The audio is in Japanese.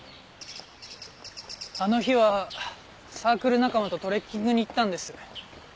あの日はサークル仲間とトレッキングに行ったんです。